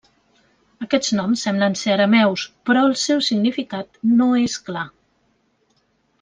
Aquests noms semblen ser arameus, però el seu significat no és clar.